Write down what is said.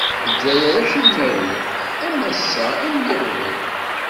Lezzayer ad tt-id-nawi, am ass-a am yiḍelli.